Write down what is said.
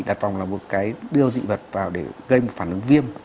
đặt vòng là một cái đưa dị vật vào để gây một phản ứng viêm